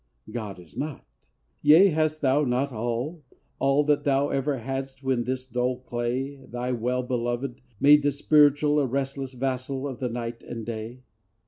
God is not. Yea, hast thou not all, All that thou ever hadst when this dull clay, Thy well belovéd, made the spiritual A restless vassal of the night and day?